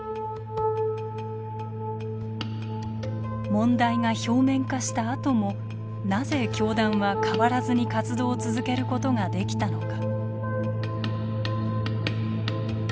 問題が表面化したあともなぜ教団は変わらずに活動を続けることができたのか。